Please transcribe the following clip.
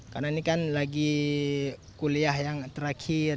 karena ini kan lagi kuliah yang terakhir